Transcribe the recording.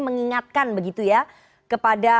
mengingatkan begitu ya kepada